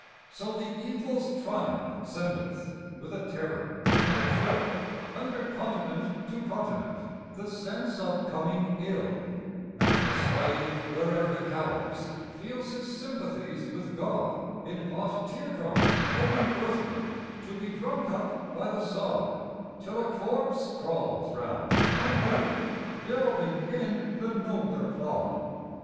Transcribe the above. So the Evil's triumph sendeth, with a terror and a chill, Under continent to continent, the sense of coming ill, And the slave, where'er he cowers, feels his sympathies with God In hot tear drops ebbing earthward, to be drunk up by the sod, Till a corpse crawls round unburied, delving in the nobler clod.